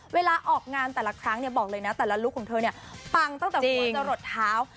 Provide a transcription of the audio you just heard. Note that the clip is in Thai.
เวลาออกงานแต่ละครั้งเนี่ยบอกเลยนะแต่ละลุคของเธอเนี่ยปังตั้งแต่หัวจะหลดเท้า